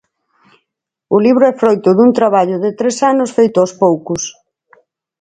O libro é froito dun traballo de tres anos feito aos poucos.